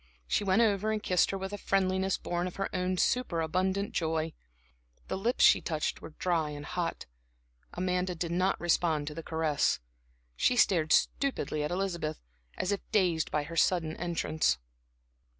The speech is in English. She went over and kissed her with a friendliness born of her own superabundant joy. The lips she touched were dry and hot. Amanda did not respond to the caress. She stared stupidly at Elizabeth, as if half dazed by her sudden entrance.